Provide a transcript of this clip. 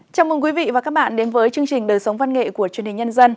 chào mừng quý vị và các bạn đến với chương trình đời sống văn nghệ của truyền hình nhân dân